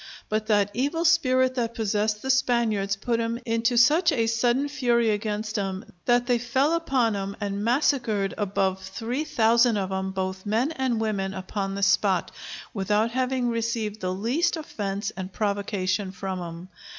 But that evil spirit that possessed the Spaniards put 'em into such a sudden fury against 'em, that they fell upon 'em and massacred above three thousand of 'em, both men and women, upon the spot, without having received the least offense and provocation from 'em.